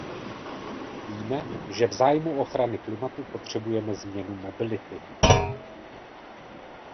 Víme, že v zájmu ochrany klimatu potřebujeme změnu mobility.